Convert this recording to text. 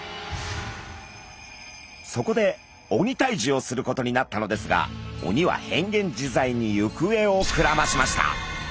そこで鬼退治をすることになったのですが鬼はへんげんじざいにゆくえをくらましました。